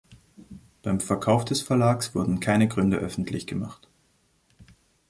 Beim Verkauf des Verlags wurden keine Gründe öffentlich gemacht.